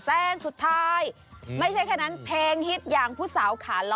แซงสุดท้ายไม่ใช่แค่นั้นเพลงฮิตอย่างผู้สาวขาล้อ